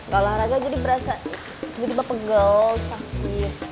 gak olahraga jadi berasa sebetulnya pegel sakit